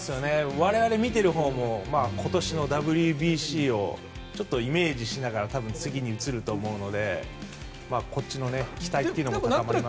我々、見ているほうも今年のＷＢＣを、ちょっとイメージしながら次に移ると思うのでこっちの期待も高まりますね。